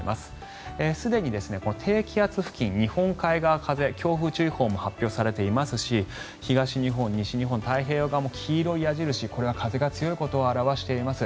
すでに低気圧付近、日本海側の風強風注意報も発表されていますし東日本、西日本の太平洋側も黄色い矢印これは風が強いことを表しています。